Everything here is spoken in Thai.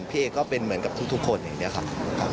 พี่เอ๊ก็เป็นเหมือนกับทุกคนเองเนี่ยครับ